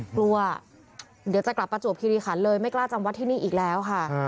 กลัวเดี๋ยวจะกลับประจวบคิริขันเลยไม่กล้าจำวัดที่นี่อีกแล้วค่ะ